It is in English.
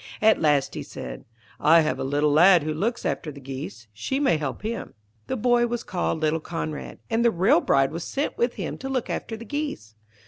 At last he said, 'I have a little lad who looks after the geese; she may help him.' The boy was called little Conrad, and the real bride was sent with him to look after the geese.